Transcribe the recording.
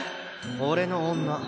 俺の女。